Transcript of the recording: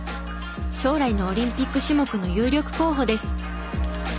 将来のオリンピック種目の有力候補です。